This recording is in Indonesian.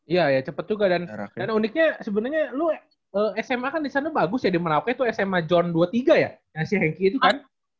iya ya cepet juga dan uniknya sebenarnya lu sma kan di sana bagus ya di merauke itu sma john dua puluh tiga ya si hengki itu kan